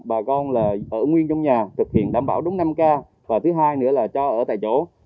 bà con là ở nguyên trong nhà thực hiện đảm bảo đúng năm k và thứ hai nữa là cho ở tại chỗ